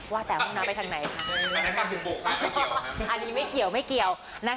ว่าแต่ห้องน้ำไปทางไหน